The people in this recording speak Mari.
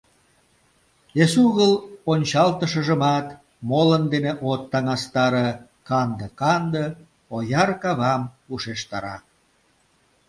Эсогыл ончалтышыжымат молын дене от таҥастаре — канде-канде, ояр кавам ушештара.